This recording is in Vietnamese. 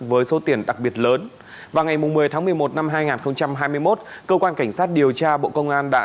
với số tiền đặc biệt lớn vào ngày một mươi tháng một mươi một năm hai nghìn hai mươi một cơ quan cảnh sát điều tra bộ công an đã